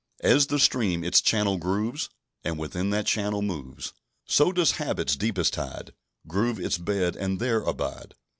"As the stream its channel grooves, And within that channel moves; So does habit's deepest tide Groove its bed and there abide.